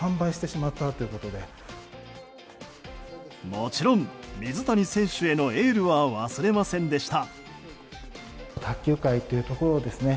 もちろん、水谷選手へのエールは忘れませんでした。